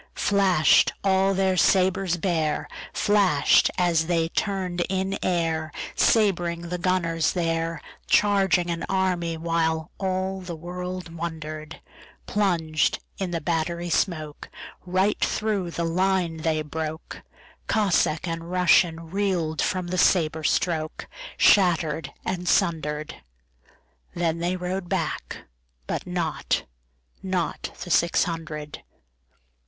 Flash'd all their sabres bare, Flash'd as they turn'd in airSabring the gunners there, Charging an army, whileAll the world wonder'd:Plunged in the battery smokeRight thro' the line they broke; Cossack and RussianReel'd from the sabre strokeShatter'd and sunder'd. Then they rode back, but notNot the six hundred.